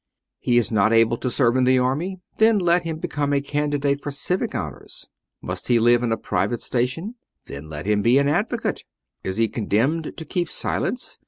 He is not able to serve in the army : then let him become a candidate for civic honours : must he live in a private station ? then let him be an advocate : is he con demned to keep silence?